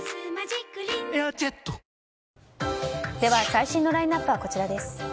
最新のラインアップはこちらです。